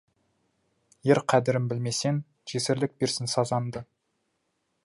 Ер қадірін білмесең, жесірлік берсін сазаңды.